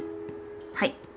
はい。